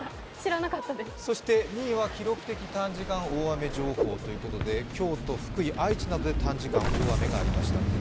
そして、２位は記録的短時間大雨情報ということで京都、福井、愛知などで短時間大雨がありました。